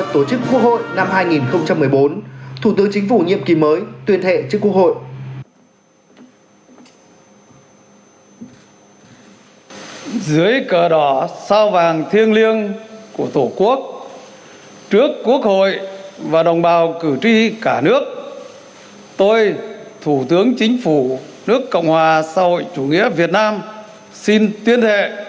thủ tướng chính phủ nguyễn pháp năm hai nghìn một mươi ba vào luật tổ chức quốc hội năm hai nghìn một mươi bốn thủ tướng chính phủ nhiệm kỳ mới tuyên thệ trước quốc hội